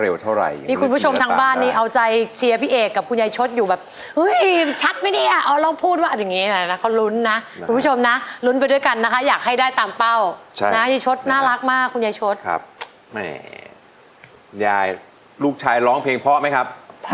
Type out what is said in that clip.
แล้วคุณยายร้องเพลงได้มั่นมั้ยครับ